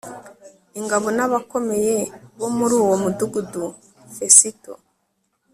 ingabo n abakomeye bo muri uwo mudugudu fesito